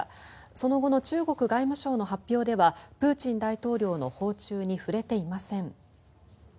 その後の中国外務省の発表ではプーチン大統領の訪中に触れていません。